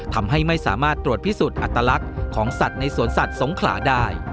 ทำให้ไม่สามารถตรวจพิสูจน์อัตลักษณ์ของสัตว์ในสวนสัตว์สงขลาได้